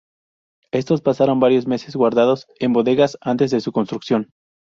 Estos pasaron varios meses guardados en bodegas antes de su construcción.